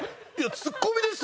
ツッコミです